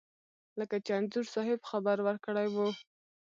لکه چې انځور صاحب خبر ورکړی و.